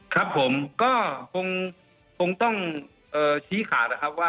ครับผมก็คงต้องชี้ขาด